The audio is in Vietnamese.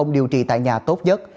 điều trì tại nhà tốt nhất